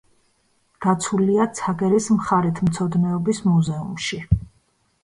დაცულია ცაგერის მხარეთმცოდნეობის მუზეუმში.